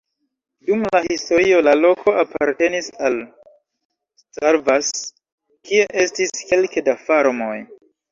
Dum la historio la loko apartenis al Szarvas, kie estis kelke da farmoj.